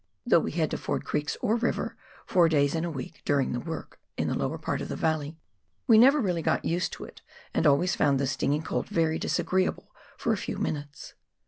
Though we had to ford creeks or river four days in a week during the work in the lower part of the valley, we never got really used to it, and always found the stinging cold very disagreeable for a few minutes.